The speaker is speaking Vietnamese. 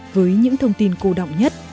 với những thông tin cô đọng nhất